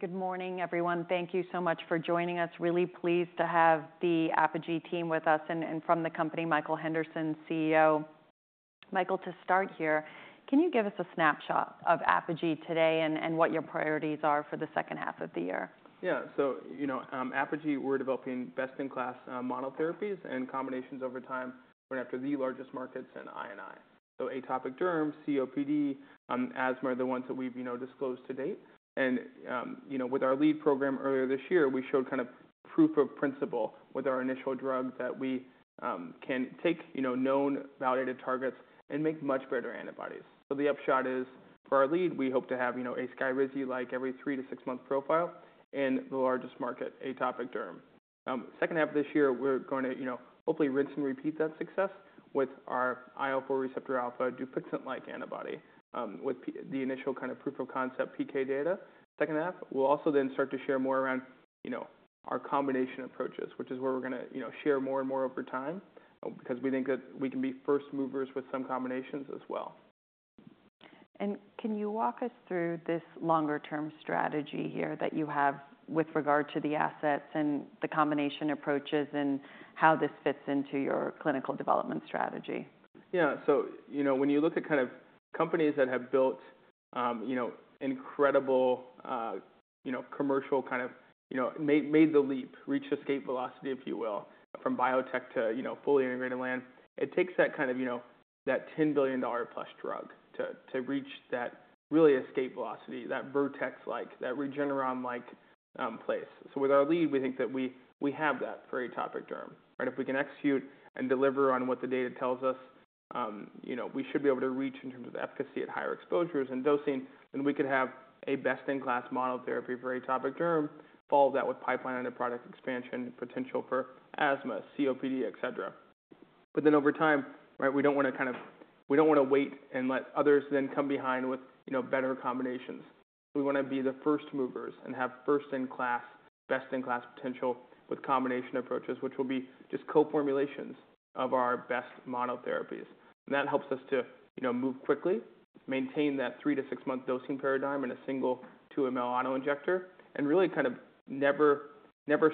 Good morning, everyone. Thank you so much for joining us. Really pleased to have the Apogee team with us and from the company, Michael Henderson, CEO. Michael, to start here, can you give us a snapshot of Apogee today and what your priorities are for the second half of the year? Yeah, so Apogee, we're developing best-in-class monotherapies and combinations over time going after the largest markets in I&I. So atopic derm, COPD, asthma are the ones that we've disclosed to date. And with our lead program earlier this year, we showed kind of proof of principle with our initial drug that we can take known, validated targets and make much better antibodies. So the upshot is for our lead, we hope to have a SKYRIZI-like every 3- to 6-month profile in the largest market, atopic derm. Second half of this year, we're going to hopefully rinse and repeat that success with our IL-4 receptor alpha DUPIXENT-like antibody with the initial kind of proof of concept PK data. Second half, we'll also then start to share more around our combination approaches, which is where we're going to share more and more over time because we think that we can be first movers with some combinations as well. Can you walk us through this longer-term strategy here that you have with regard to the assets and the combination approaches and how this fits into your clinical development strategy? Yeah, so when you look at kind of companies that have built incredible commercial kind of made the leap, reached escape velocity, if you will, from biotech to fully integrated land, it takes that kind of that $10 billion-plus drug to reach that really escape velocity, that Vertex-like, that Regeneron-like place. So with our lead, we think that we have that for atopic derm. If we can execute and deliver on what the data tells us, we should be able to reach in terms of efficacy at higher exposures and dosing, then we could have a best-in-class monotherapy for atopic derm, follow that with pipeline end product expansion, potential for asthma, COPD, et cetera. But then over time, we don't want to kind of we don't want to wait and let others then come behind with better combinations. We want to be the first movers and have first-in-class, best-in-class potential with combination approaches, which will be just co-formulations of our best monotherapies. That helps us to move quickly, maintain that 3- to 6-month dosing paradigm in a single 2 mL autoinjector, and really kind of never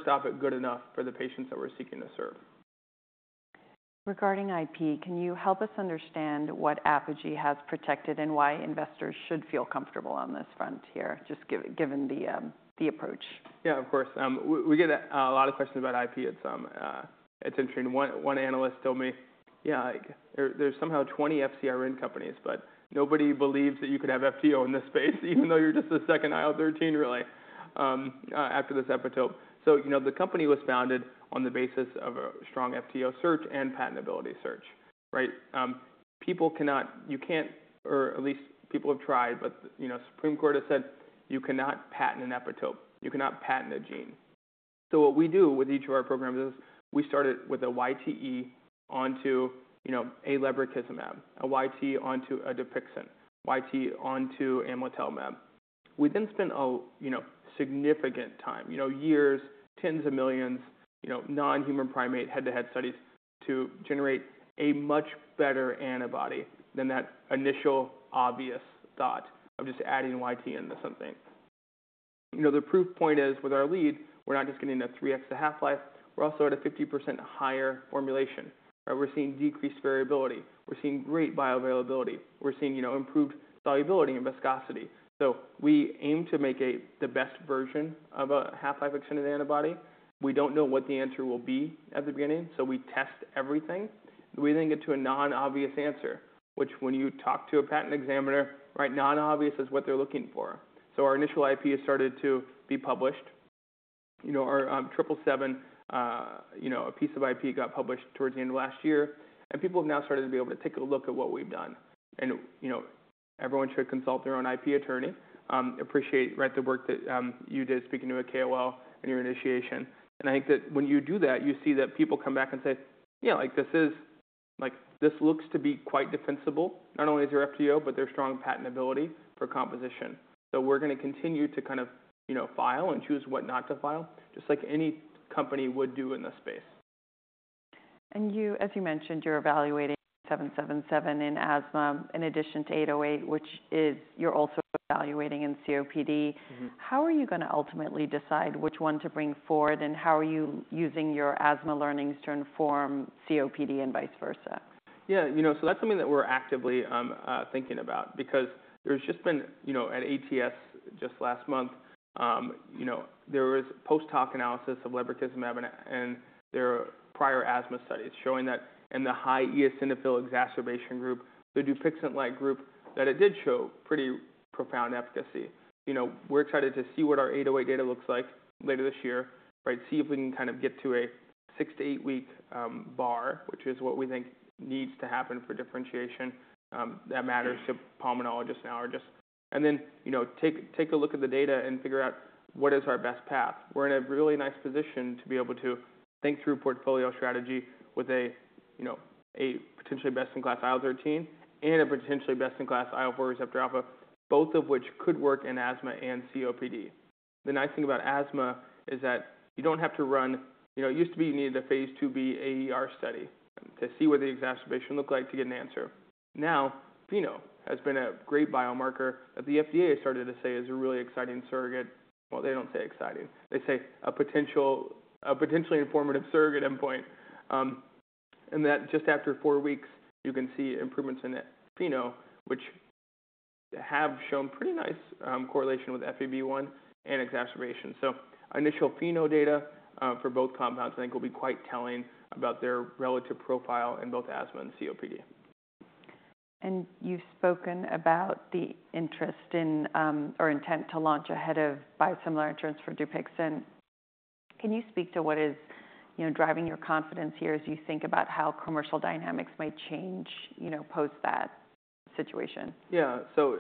stop at good enough for the patients that we're seeking to serve. Regarding IP, can you help us understand what Apogee has protected and why investors should feel comfortable on this front here, just given the approach? Yeah, of course. We get a lot of questions about IP. It's interesting. One analyst told me, yeah, there's somehow 20 FcRn companies, but nobody believes that you could have FTO in this space, even though you're just the second IL-13, really, after this epitope. So the company was founded on the basis of a strong FTO search and patentability search. People cannot or at least people have tried, but the Supreme Court has said you cannot patent an epitope. You cannot patent a gene. So what we do with each of our programs is we started with a YTE onto a lebrikizumab, a YTE onto a DUPIXENT, YTE onto amplifier. We then spent significant time, years, $10s of millions, non-human primate head-to-head studies to generate a much better antibody than that initial obvious thought of just adding YTE into something. The proof point is with our lead, we're not just getting a 3x the half-life. We're also at a 50% higher formulation. We're seeing decreased variability. We're seeing great bioavailability. We're seeing improved solubility and viscosity. So we aim to make the best version of a half-life extended antibody. We don't know what the answer will be at the beginning, so we test everything. We then get to a non-obvious answer, which when you talk to a patent examiner, non-obvious is what they're looking for. So our initial IP has started to be published. Our 777, a piece of IP got published towards the end of last year. People have now started to be able to take a look at what we've done. Everyone should consult their own IP attorney. Appreciate the work that you did speaking to a KOL in your initiation. I think that when you do that, you see that people come back and say, yeah, this looks to be quite defensible. Not only is there FTO, but there's strong patentability for composition. We're going to continue to kind of file and choose what not to file, just like any company would do in this space. As you mentioned, you're evaluating 777 in asthma in addition to 808, which you're also evaluating in COPD. How are you going to ultimately decide which one to bring forward, and how are you using your asthma learnings to inform COPD and vice versa? Yeah, so that's something that we're actively thinking about because there's just been at ATS just last month, there was post-hoc analysis of lebrikizumab and their prior asthma studies showing that in the high eosinophil exacerbation group, the Dupixent-like group, that it did show pretty profound efficacy. We're excited to see what our 808 data looks like later this year, see if we can kind of get to a 6- to 8-week bar, which is what we think needs to happen for differentiation that matters to pulmonologists and allergists. And then take a look at the data and figure out what is our best path. We're in a really nice position to be able to think through portfolio strategy with a potentially best-in-class IL-13 and a potentially best-in-class IL-4 receptor alpha, both of which could work in asthma and COPD. The nice thing about asthma is that you don't have to run it. Used to be you needed a phase IIb AER study to see what the exacerbation looked like to get an answer. Now, FeNO has been a great biomarker that the FDA has started to say is a really exciting surrogate. Well, they don't say exciting. They say a potentially informative surrogate endpoint. And that just after four weeks, you can see improvements in FeNO, which have shown pretty nice correlation with FEV1 and exacerbation. So initial FeNO data for both compounds, I think, will be quite telling about their relative profile in both asthma and COPD. You've spoken about the interest in or intent to launch ahead of biosimilar insurance for DUPIXENT. Can you speak to what is driving your confidence here as you think about how commercial dynamics might change post that situation? Yeah, so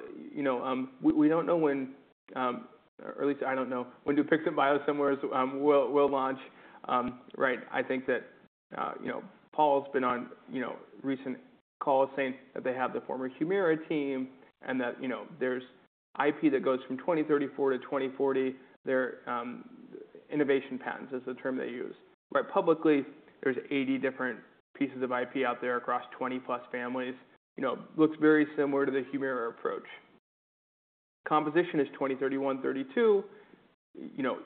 we don't know when, or at least I don't know, when Dupixent biosimilars will launch. I think that Paul's been on recent calls saying that they have the former Humira team and that there's IP that goes from 2034 to 2040. They're innovation patents is the term they use. Publicly, there's 80 different pieces of IP out there across 20-plus families. Looks very similar to the Humira approach. Composition is 2031, 2032.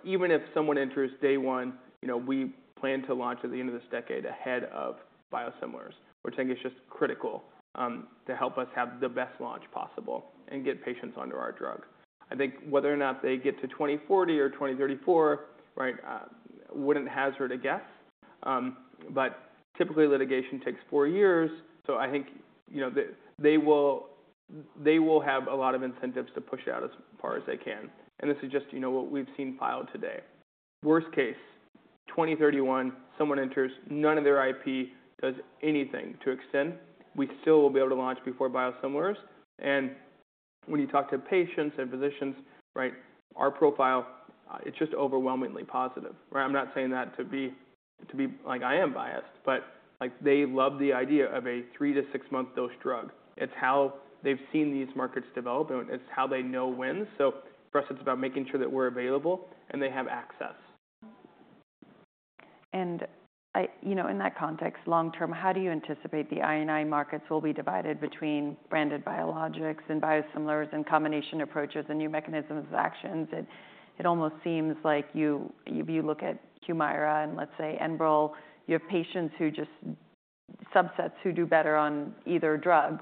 Even if someone enters day one, we plan to launch at the end of this decade ahead of biosimilars, which I think is just critical to help us have the best launch possible and get patients onto our drug. I think whether or not they get to 2040 or 2034 wouldn't hazard a guess. But typically, litigation takes four years. So I think they will have a lot of incentives to push it out as far as they can. And this is just what we've seen filed today. Worst case, 2031, someone enters, none of their IP does anything to extend. We still will be able to launch before biosimilars. And when you talk to patients and physicians, our profile, it's just overwhelmingly positive. I'm not saying that to be like I am biased, but they love the idea of a 3-6-month dose drug. It's how they've seen these markets develop. It's how they know when. So for us, it's about making sure that we're available and they have access. In that context, long term, how do you anticipate the I&I markets will be divided between branded biologics and biosimilars and combination approaches and new mechanisms of actions? It almost seems like you look at Humira and, let's say, Enbrel. You have patients who just subsets who do better on either drug.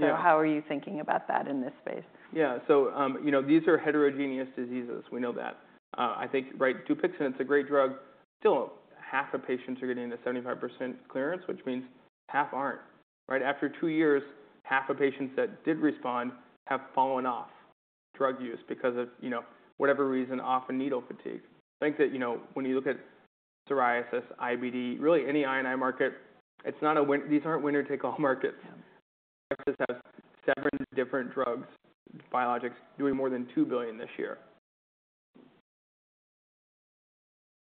So how are you thinking about that in this space? Yeah, so these are heterogeneous diseases. We know that. I think DUPIXENT, it's a great drug. Still, half of patients are getting the 75% clearance, which means half aren't. After 2 years, half of patients that did respond have fallen off drug use because of whatever reason, often needle fatigue. I think that when you look at psoriasis, IBD, really any I&I market, these aren't winner-take-all markets. Psoriasis has 7 different drugs, biologics, doing more than $2 billion this year.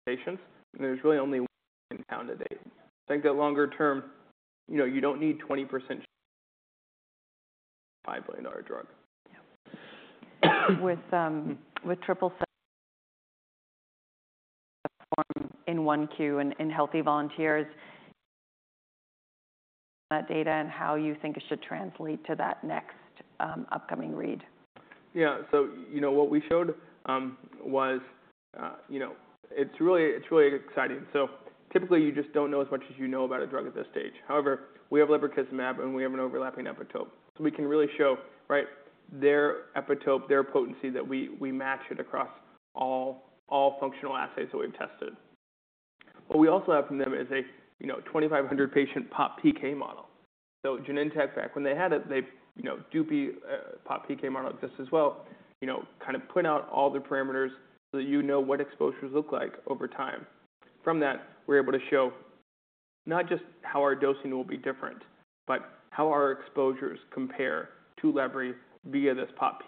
Patients, there's really only one compound to date. I think that longer term, you don't need 20% $5 billion drug. With the phase 1 in healthy volunteers, that data and how you think it should translate to that next upcoming readout? Yeah, so what we showed was it's really exciting. So typically, you just don't know as much as you know about a drug at this stage. However, we have lebrikizumab, and we have an overlapping epitope. So we can really show their epitope, their potency, that we match it across all functional assays that we've tested. What we also have from them is a 2,500-patient pop PK model. So Genentech, back when they had it, they do pop PK model like this as well, kind of put out all the parameters so that you know what exposures look like over time. From that, we're able to show not just how our dosing will be different, but how our exposures compare to lebrikizumab via this pop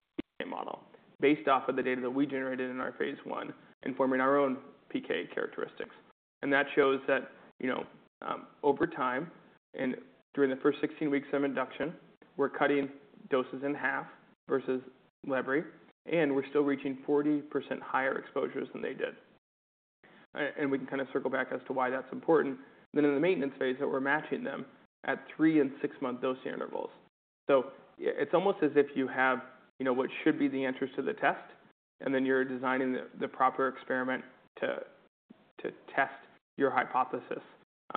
PK model based off of the data that we generated in our phase one and forming our own PK characteristics. And that shows that over time and during the first 16 weeks of induction, we're cutting doses in half versus Lebri, and we're still reaching 40% higher exposures than they did. And we can kind of circle back as to why that's important. Then in the maintenance phase, that we're matching them at 3- and 6-month dosing intervals. So it's almost as if you have what should be the answers to the test, and then you're designing the proper experiment to test your hypothesis,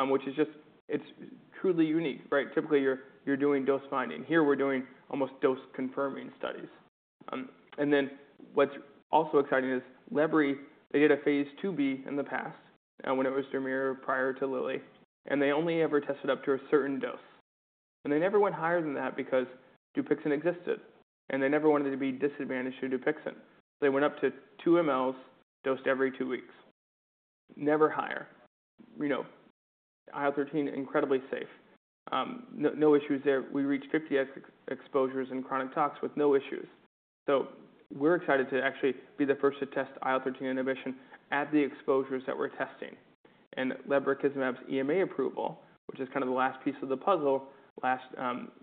which is just it's truly unique. Typically, you're doing dose binding. Here, we're doing almost dose-confirming studies. And then what's also exciting is Lebri, they did a phase IIB in the past when it was Dermira prior to Lilly, and they only ever tested up to a certain dose. And they never went higher than that because DUPIXENT existed, and they never wanted to be disadvantaged to DUPIXENT. They went up to 2 mL dosed every 2 weeks, never higher. IL-13, incredibly safe. No issues there. We reached 50 exposures in chronic tox with no issues. So we're excited to actually be the first to test IL-13 inhibition at the exposures that we're testing. And lebrikizumab's EMA approval, which is kind of the last piece of the puzzle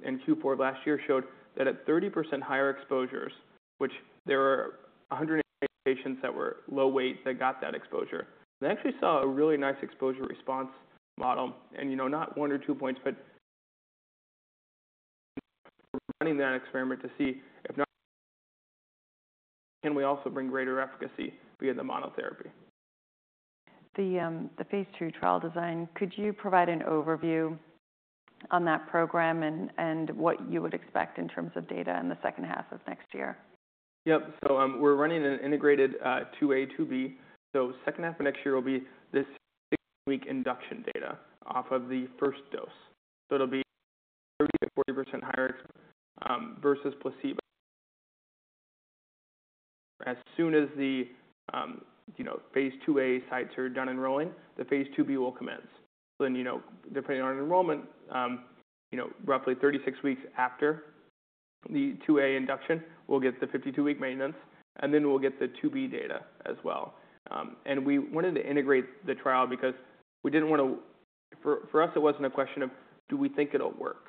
in Q4 last year, showed that at 30% higher exposures, which there were 180 patients that were low weight that got that exposure, they actually saw a really nice exposure response model. And not one or two points, but running that experiment to see if not, can we also bring greater efficacy via the monotherapy. The phase II trial design, could you provide an overview on that program and what you would expect in terms of data in the second half of next year? Yep. So we're running an integrated 2A, 2B. So second half of next year will be this 6-week induction data off of the first dose. So it'll be 30%-40% higher versus placebo. As soon as the phase IIa sites are done enrolling, the phase IIb will commence. So then depending on enrollment, roughly 36 weeks after the IIa induction, we'll get the 52-week maintenance, and then we'll get the IIb data as well. And we wanted to integrate the trial because we didn't want to for us, it wasn't a question of do we think it'll work.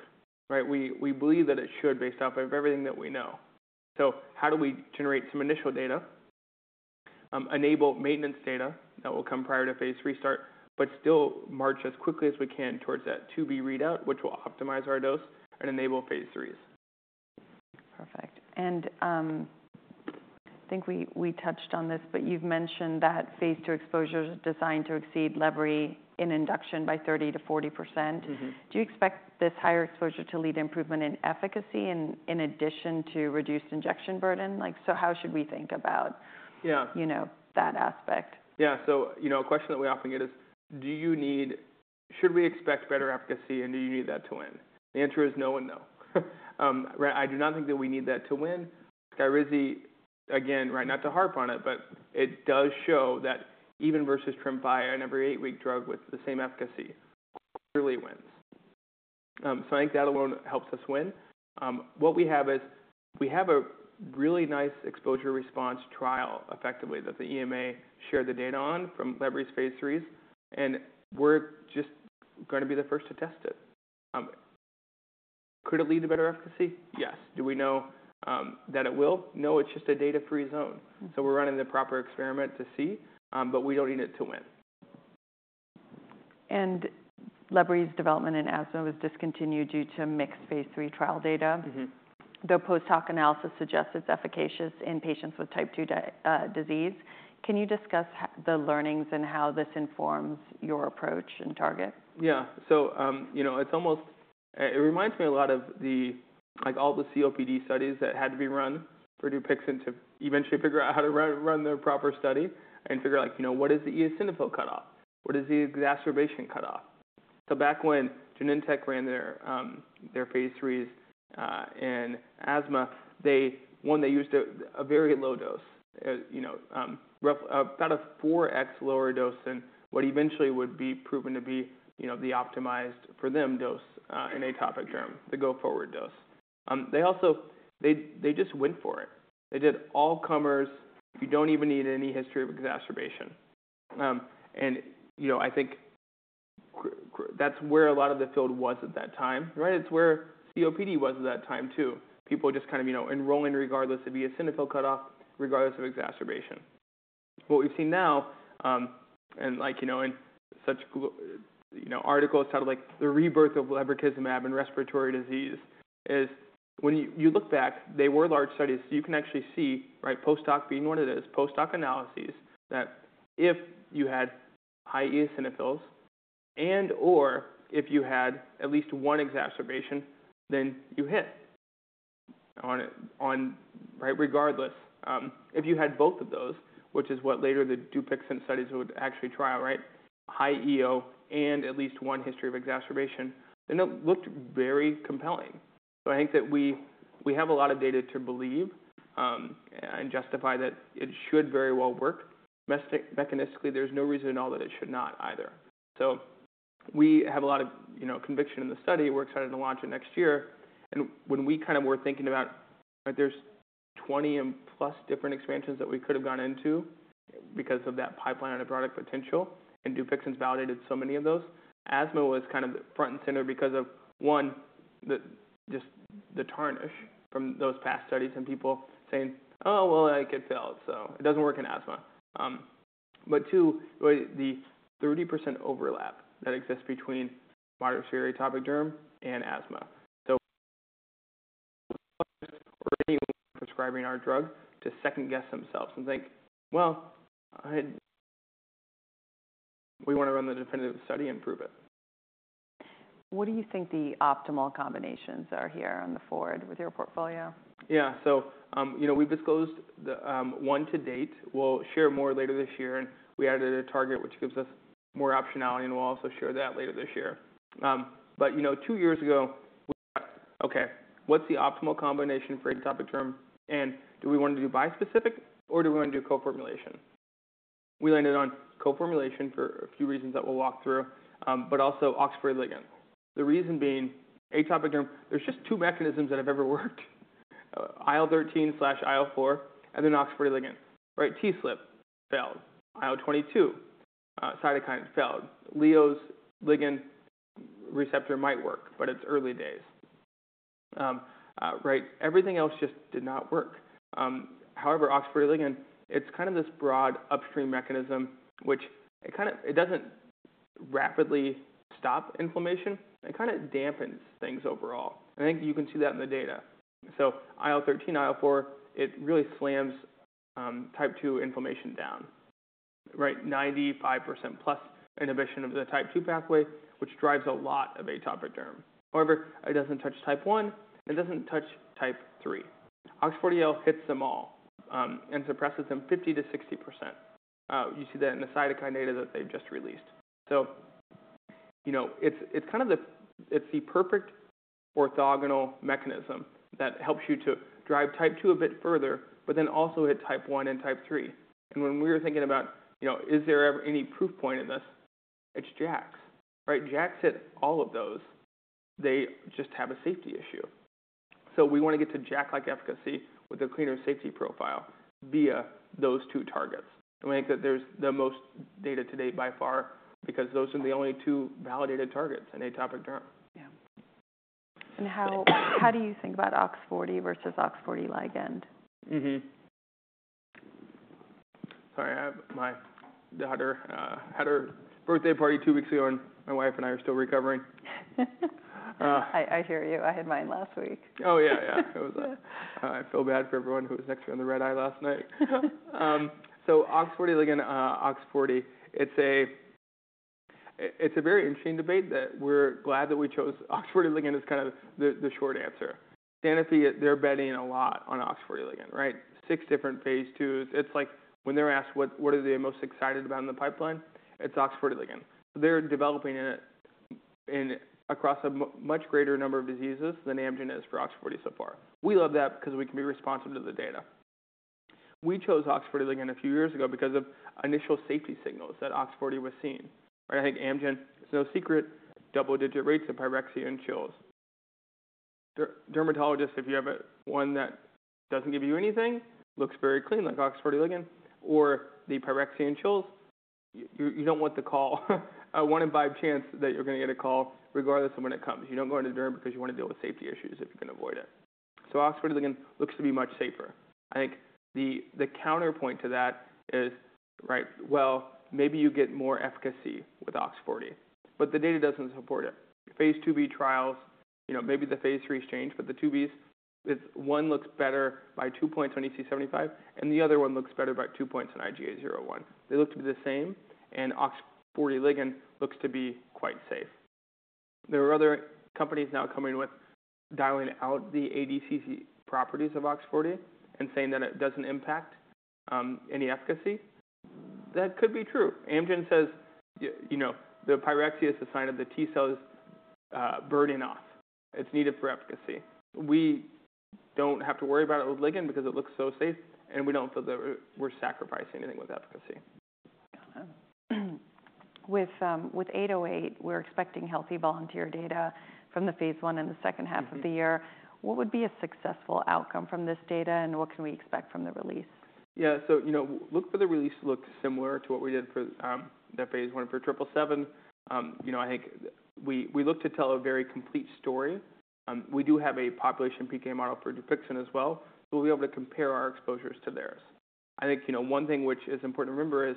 We believe that it should based off of everything that we know. How do we generate some initial data, enable maintenance data that will come prior to phase III start, but still march as quickly as we can towards that IIB readout, which will optimize our dose and enable phase IIIs? Perfect. And I think we touched on this, but you've mentioned that phase II exposure is designed to exceed lebrikizumab in induction by 30%-40%. Do you expect this higher exposure to lead improvement in efficacy in addition to reduced injection burden? So how should we think about that aspect? Yeah, so a question that we often get is, do you need, should we expect better efficacy, and do you need that to win? The answer is no and no. I do not think that we need that to win. SKYRIZI, again, not to harp on it, but it does show that even versus Tremfya and every eight-week drug with the same efficacy clearly wins. So I think that alone helps us win. What we have is we have a really nice exposure response trial effectively that the EMA shared the data on from lebrikizumab's phase IIIs, and we're just going to be the first to test it. Could it lead to better efficacy? Yes. Do we know that it will? No, it's just a data-free zone. So we're running the proper experiment to see, but we don't need it to win. Lebrikizumab's development in asthma was discontinued due to mixed phase 3 trial data, though post-hoc analysis suggests it's efficacious in patients with Type 2 disease. Can you discuss the learnings and how this informs your approach and target? Yeah, so it's almost it reminds me a lot of all the COPD studies that had to be run for DUPIXENT to eventually figure out how to run the proper study and figure out what is the eosinophil cutoff? What is the exacerbation cutoff? So back when Genentech ran their phase IIIs in asthma, one, they used a very low dose, about a 4x lower dose than what eventually would be proven to be the optimized for them dose in atopic dermatitis, the go-forward dose. They just went for it. They did all comers. You don't even need any history of exacerbation. And I think that's where a lot of the field was at that time. It's where COPD was at that time, too. People just kind of enrolling regardless of eosinophil cutoff, regardless of exacerbation. What we've seen now, and in such articles titled like The Rebirth of Lebrikizumab in Respiratory Disease, is when you look back, they were large studies. You can actually see post-hoc being one of those post-hoc analyses that if you had high eosinophils and/or if you had at least one exacerbation, then you hit regardless. If you had both of those, which is what later the Dupixent studies would actually try out, high EO and at least one history of exacerbation, then it looked very compelling. So I think that we have a lot of data to believe and justify that it should very well work. Mechanistically, there's no reason at all that it should not either. So we have a lot of conviction in the study. We're excited to launch it next year. When we kind of were thinking about there's 20-plus different expansions that we could have gone into because of that pipeline and product potential, and DUPIXENT validated so many of those, asthma was kind of front and center because of, one, just the tarnish from those past studies and people saying, "Oh, well, I get filled, so it doesn't work in asthma." But two, the 30% overlap that exists between moderate-to-severe atopic dermatitis and asthma. So we're already prescribing our drug to second-guess themselves and think, "Well, we want to run the definitive study and prove it. What do you think the optimal combinations are here on the forward with your portfolio? Yeah, so we've disclosed one to date. We'll share more later this year. And we added a target, which gives us more optionality, and we'll also share that later this year. But two years ago, we thought, "Okay, what's the optimal combination for atopic derm? And do we want to do bispecific, or do we want to do co-formulation?" We landed on co-formulation for a few reasons that we'll walk through, but also OX40 ligand. The reason being, atopic derm, there's just two mechanisms that have ever worked: IL-13/IL-4 and then OX40 ligand. TSLP failed. IL-22 cytokine failed. Leo's ligand receptor might work, but it's early days. Everything else just did not work. However, OX40 ligand, it's kind of this broad upstream mechanism, which it doesn't rapidly stop inflammation. It kind of dampens things overall. And I think you can see that in the data. So IL-13, IL-4, it really slams type II inflammation down. 95%+ inhibition of the type II pathway, which drives a lot of atopic derm. However, it doesn't touch type I and doesn't touch type III. OX40L hits them all and suppresses them 50%-60%. You see that in the cytokine data that they've just released. So it's the perfect orthogonal mechanism that helps you to drive type II a bit further, but then also hit type I and type III. And when we were thinking about, is there any proof point in this, it's JAKs. JAKs hit all of those. They just have a safety issue. So we want to get to JAK-like efficacy with a cleaner safety profile via those two targets. And we think that there's the most data to date by far because those are the only two validated targets in atopic derm. Yeah. How do you think about OX40 versus OX40 ligand? Sorry, my daughter had her birthday party two weeks ago, and my wife and I are still recovering. I hear you. I had mine last week. Oh, yeah, yeah. I feel bad for everyone who was next to me on the red eye last night. So OX40 ligand, OX40, it's a very interesting debate that we're glad that we chose OX40 ligand as kind of the short answer. Sanofi, they're betting a lot on OX40 ligand. Six different phase IIs. It's like when they're asked, "What are they most excited about in the pipeline?" It's OX40 ligand. So they're developing it across a much greater number of diseases than Amgen is for OX40 so far. We love that because we can be responsive to the data. We chose OX40 ligand a few years ago because of initial safety signals that OX40 was seeing. I think Amgen, it's no secret, double-digit rates of pyrexia and chills. Dermatologists, if you have one that doesn't give you anything, looks very clean like OX40 ligand or the pyrexia and chills, you don't want the call. I want to buy a chance that you're going to get a call regardless of when it comes. You don't go into JAK because you want to deal with safety issues if you can avoid it. So OX40 ligand looks to be much safer. I think the counterpoint to that is, well, maybe you get more efficacy with OX40, but the data doesn't support it. phase IIB trials, maybe the phase IIIs change, but the IIBs, one looks better by two points on EASI-75, and the other one looks better by two points on IGA 0/1. They look to be the same, and OX40 ligand looks to be quite safe. There are other companies now coming with dialing out the ADCC properties of OX40 and saying that it doesn't impact any efficacy. That could be true. Amgen says the pyrexia is the sign of the T-cells burning off. It's needed for efficacy. We don't have to worry about it with ligand because it looks so safe, and we don't feel that we're sacrificing anything with efficacy. With 808, we're expecting healthy volunteer data from the phase I in the second half of the year. What would be a successful outcome from this data, and what can we expect from the release? Yeah, so look for the release to look similar to what we did for the phase I for 777. I think we look to tell a very complete story. We do have a population PK model for DUPIXENT as well, so we'll be able to compare our exposures to theirs. I think one thing which is important to remember is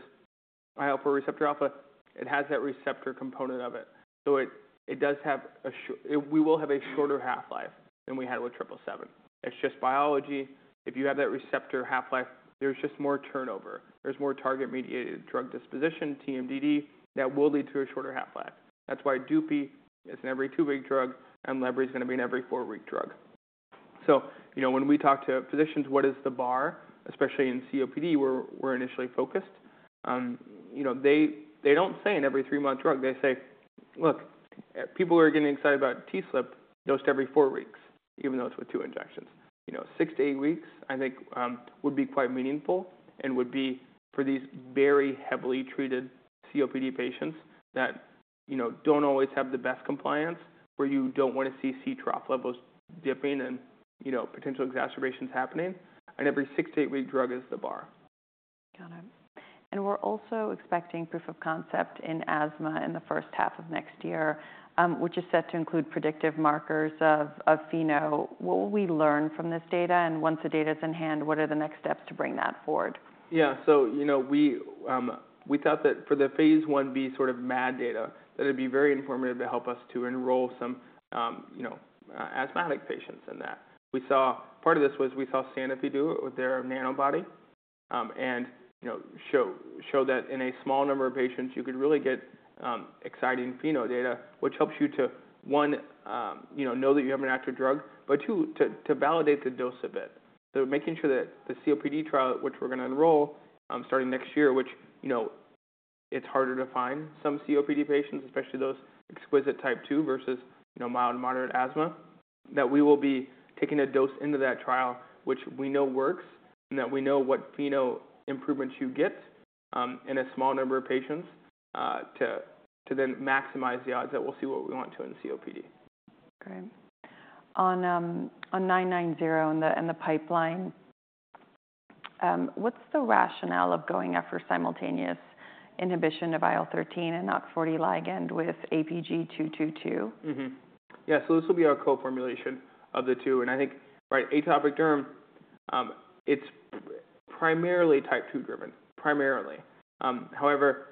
IL-4 receptor alpha. It has that receptor component of it. So it does have a we will have a shorter half-life than we had with 777. It's just biology. If you have that receptor half-life, there's just more turnover. There's more target-mediated drug disposition, TMDD, that will lead to a shorter half-life. That's why DUPIXENT is an every two-week drug, and lebrikizumab is going to be an every four-week drug. So when we talk to physicians, what is the bar, especially in COPD, where we're initially focused? They don't say an every 3-month drug. They say, "Look, people are getting excited about TSLP dosed every 4 weeks, even though it's with 2 injections." 6-8 weeks, I think, would be quite meaningful and would be for these very heavily treated COPD patients that don't always have the best compliance, where you don't want to see C-trough levels dipping and potential exacerbations happening. An every 6-8-week drug is the bar. Got it. We're also expecting proof of concept in asthma in the first half of next year, which is set to include predictive markers of phenotype. What will we learn from this data? Once the data is in hand, what are the next steps to bring that forward? Yeah, so we thought that for the phase 1b sort of MAD data, that it'd be very informative to help us to enroll some asthmatic patients in that. We saw part of this was we saw Sanofi do it with their nanobody and show that in a small number of patients, you could really get exciting FeNO data, which helps you to, one, know that you have an active drug, but two, to validate the dose of it. Making sure that the COPD trial, which we're going to enroll starting next year—which it's harder to find some COPD patients, especially those exquisite type II versus mild to moderate asthma—that we will be taking a dose into that trial, which we know works and that we know what pheno improvements you get in a small number of patients to then maximize the odds that we'll see what we want to in COPD. Great. On 990 and the pipeline, what's the rationale of going after simultaneous inhibition of IL-13 and OX40 ligand with APG279? Yeah, so this will be our co-formulation of the two. And I think atopic derm, it's primarily type II driven, primarily. However,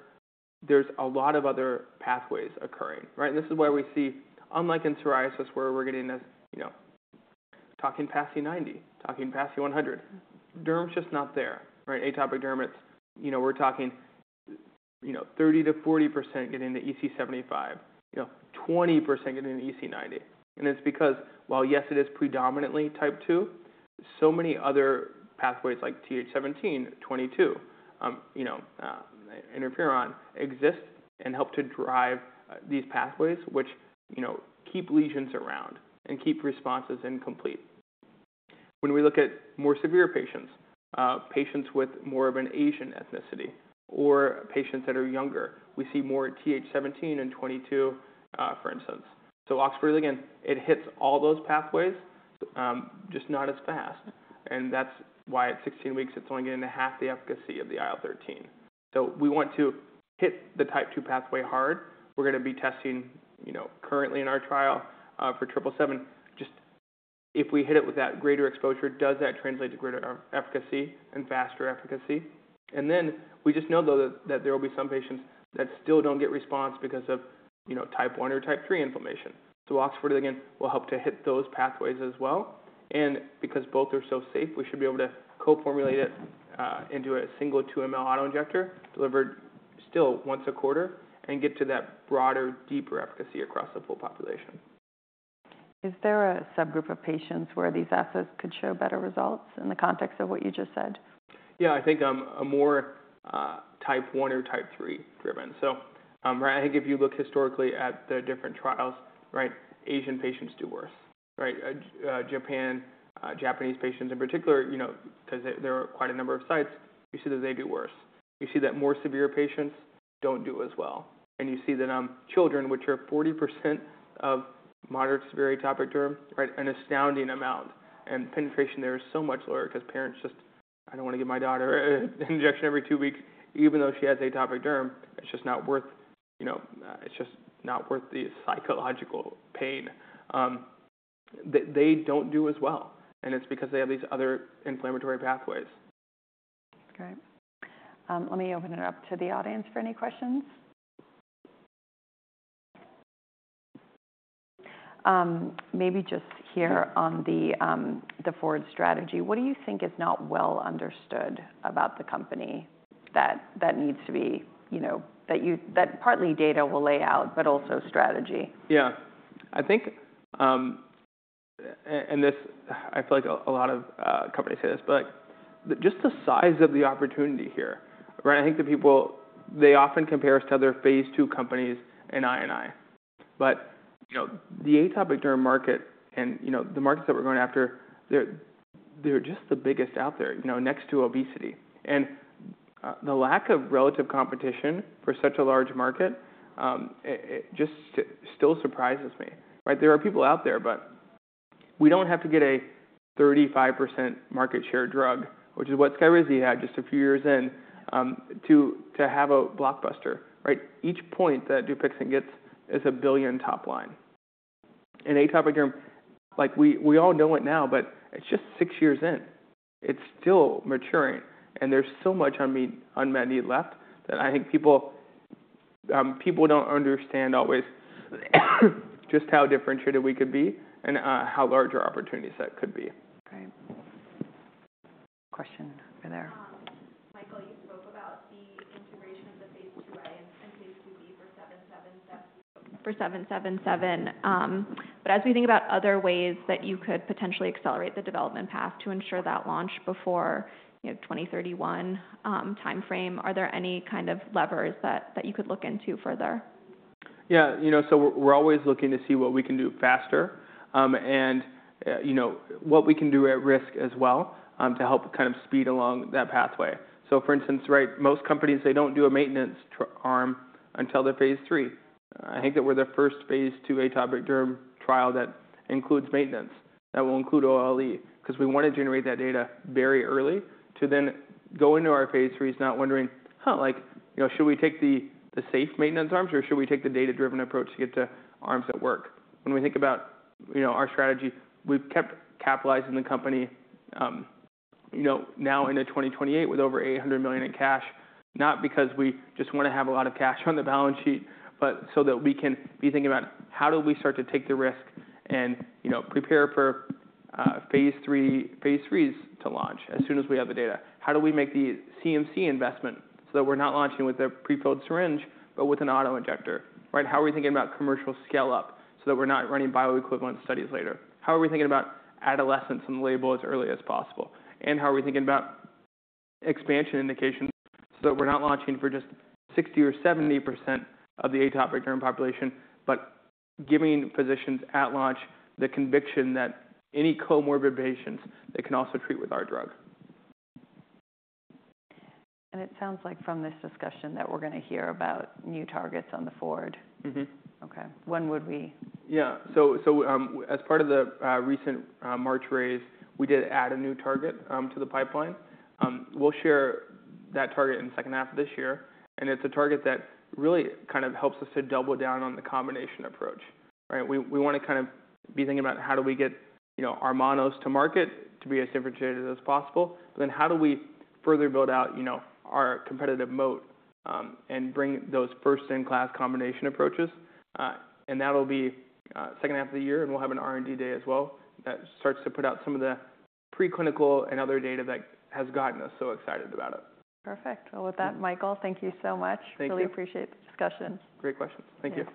there's a lot of other pathways occurring. And this is why we see, unlike in psoriasis, where we're getting this PASI-90, PASI-100, derm's just not there. Atopic derm, we're talking 30%-40% getting the EASI-75, 20% getting the EASI-90. And it's because, while yes, it is predominantly type II, so many other pathways like TH17, 22, interferon exist and help to drive these pathways, which keep lesions around and keep responses incomplete. When we look at more severe patients, patients with more of an Asian ethnicity, or patients that are younger, we see more TH17 and 22, for instance. So OX40 ligand, it hits all those pathways, just not as fast. And that's why at 16 weeks, it's only getting half the efficacy of the IL-13. So we want to hit the type II pathway hard. We're going to be testing currently in our trial for 777. Just if we hit it with that greater exposure, does that translate to greater efficacy and faster efficacy? And then we just know, though, that there will be some patients that still don't get response because of type I or type III inflammation. So OX40 ligand will help to hit those pathways as well. And because both are so safe, we should be able to co-formulate it into a single 2 mL autoinjector delivered still once a quarter and get to that broader, deeper efficacy across the full population. Is there a subgroup of patients where these assays could show better results in the context of what you just said? Yeah, I think a more Type 1 or Type 3 driven. So I think if you look historically at the different trials, Asian patients do worse. Japan, Japanese patients in particular, because there are quite a number of sites, you see that they do worse. You see that more severe patients don't do as well. And you see that children, which are 40% of moderate to severe atopic derm, an astounding amount. And penetration, there is so much lower because parents just, "I don't want to give my daughter an injection every two weeks," even though she has atopic derm. It's just not worth the psychological pain. They don't do as well. And it's because they have these other inflammatory pathways. Okay. Let me open it up to the audience for any questions. Maybe just here on the forward strategy, what do you think is not well understood about the company that needs to be that partly data will lay out, but also strategy? Yeah. I think, and this I feel like a lot of companies say this, but just the size of the opportunity here. I think the people, they often compare us to other phase II companies in I&I. But the atopic derm market and the markets that we're going after, they're just the biggest out there next to obesity. And the lack of relative competition for such a large market just still surprises me. There are people out there, but we don't have to get a 35% market share drug, which is what SKYRIZI had just a few years in, to have a blockbuster. Each point that DUPIXENT gets is a $1 billion top line. And atopic derm, we all know it now, but it's just six years in. It's still maturing. There's so much unmet need left that I think people don't understand always just how differentiated we could be and how large our opportunities set could be. Great. Question over there. Michael, you spoke about the integration of the phase IIa and phase IIb for 777. For 777. But as we think about other ways that you could potentially accelerate the development path to ensure that launch before 2031 timeframe, are there any kind of levers that you could look into further? Yeah. So we're always looking to see what we can do faster and what we can do at risk as well to help kind of speed along that pathway. So for instance, most companies, they don't do a maintenance arm until the phase III. I think that we're the first phase II atopic dermatitis trial that includes maintenance that will include OLE because we want to generate that data very early to then go into our phase IIIs not wondering, "Huh, should we take the safe maintenance arms or should we take the data-driven approach to get the arms that work?" When we think about our strategy, we've kept capitalizing the company now into 2028 with over $800 million in cash, not because we just want to have a lot of cash on the balance sheet, but so that we can be thinking about how do we start to take the risk and prepare for phase IIIs to launch as soon as we have the data. How do we make the CMC investment so that we're not launching with a prefilled syringe, but with an autoinjector? How are we thinking about commercial scale-up so that we're not running bioequivalent studies later? How are we thinking about adolescents on the label as early as possible? And how are we thinking about expansion indications so that we're not launching for just 60% or 70% of the atopic derm population, but giving physicians at launch the conviction that any comorbid patients, they can also treat with our drug? It sounds like from this discussion that we're going to hear about new targets going forward. Mm-hmm. Okay. When would we? Yeah. So as part of the recent March raise, we did add a new target to the pipeline. We'll share that target in the second half of this year. And it's a target that really kind of helps us to double down on the combination approach. We want to kind of be thinking about how do we get our monos to market to be as differentiated as possible. But then how do we further build out our competitive moat and bring those first-in-class combination approaches? And that'll be second half of the year, and we'll have an R&D day as well that starts to put out some of the preclinical and other data that has gotten us so excited about it. Perfect. Well, with that, Michael, thank you so much. Thank you. Really appreciate the discussion. Great questions. Thank you.